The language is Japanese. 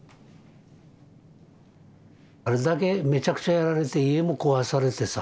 あれだけめちゃくちゃやられて家も壊されてさ。